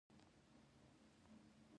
هر تولید خپل هدف لرونکی بازار لري.